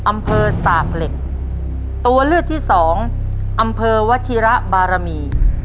สากเหล็กตัวเลือกที่สองอำเภอวชิระบารมี